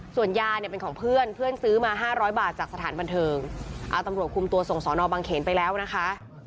ส่วนยาเนี่ยเป็นของเพื่อนเพื่อนซื้อมา๕๐๐บาทจากสถานบันเทิงเอาตำรวจคุมตัวส่งสอนอบังเขนไปแล้วนะคะ